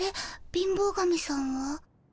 貧乏神さんは？